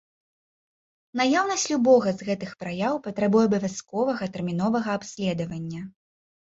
Наяўнасць любога з гэтых праяў патрабуе абавязковага тэрміновага абследавання.